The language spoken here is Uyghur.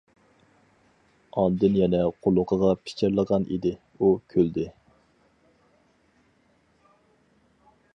ئاندىن يەنە قۇلىقىغا پىچىرلىغان ئىدى، ئۇ كۈلدى.